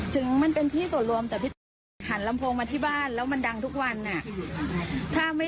ถึงมันเป็นที่ส่วนรวมแต่พี่เปิ้ลหันลำโพงมาที่บ้านแล้วมันดังทุกวันอ่ะ